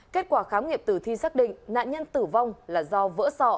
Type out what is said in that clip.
kết quả khám nghiệm tử thi xác định nạn nhân tử vong là do vỡ sọ